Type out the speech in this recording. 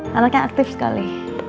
karena kan aktif sekali